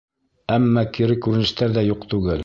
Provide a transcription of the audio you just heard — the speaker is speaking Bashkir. Әммә кире күренештәр ҙә юҡ түгел.